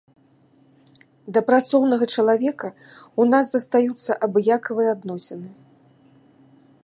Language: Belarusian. Да працоўнага чалавека ў нас застаюцца абыякавыя адносіны.